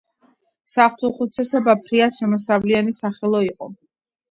სახლთუხუცესობა ფრიად შემოსავლიანი სახელო იყო.